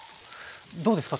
どうですか？